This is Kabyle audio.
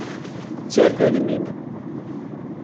Sired udem-im!